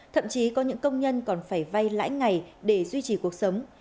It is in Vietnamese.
thậm chí có những công nhân còn phải vay lãi ngày để duy trì cuộc sống